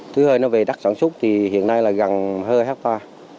thứ hơi nó về đất sản xuất thì hiện nay là gần hơi hecta